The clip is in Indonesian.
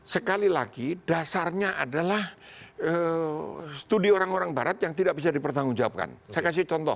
sekali lagi dasarnya adalah studi orang orang barat yang tidak bisa dipertanggungjawabkan saya kasih contoh